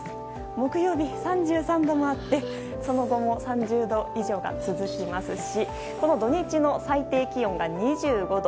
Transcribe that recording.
木曜日は３３度もあってその後も３０度以上が続きますし土日の最低気温が２５度。